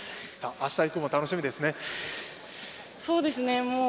あした以降も楽しみですね。